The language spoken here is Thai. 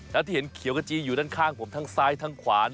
แล้วที่เห็นเขียวกระจีอยู่ด้านข้างผมทั้งซ้ายทั้งขวาน